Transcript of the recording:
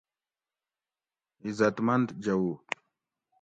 عیزتمند جوؤ